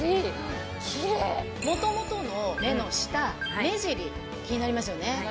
元々の目の下目尻気になりますよね。